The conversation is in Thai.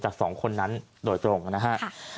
จาก๒คนนั้นโดยตรงนะฮะ